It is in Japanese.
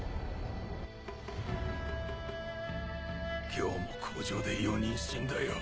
今日も工場で４人死んだよ